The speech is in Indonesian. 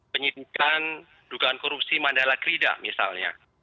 penyidikan dugaan korupsi mandala krida misalnya